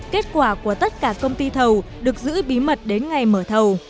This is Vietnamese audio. kết quả của tất cả công ty thầu được giữ bí mật đến ngày mở thầu